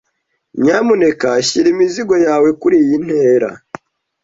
Nyamuneka shyira imizigo yawe kuriyi ntera.